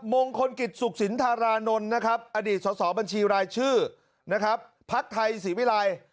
มคลกิจสุขสินธารานนท์อดีตสสบัญชีรายชื่อพักไทยสีวิรัย